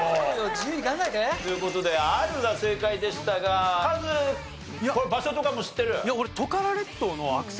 自由に考えて。という事であるが正解でしたがカズ場所とかも知ってる？